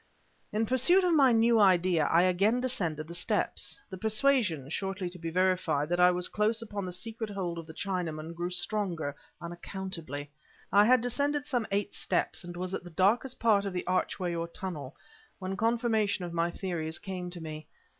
In pursuit of my new idea, I again descended the steps. The persuasion (shortly to be verified) that I was close upon the secret hold of the Chinaman, grew stronger, unaccountably. I had descended some eight steps, and was at the darkest part of the archway or tunnel, when confirmation of my theories came to me.